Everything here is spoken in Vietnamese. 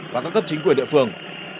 và các cấp chính quyền địa phương